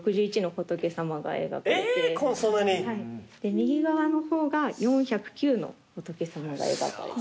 右側の方が４０９の仏様が描かれて。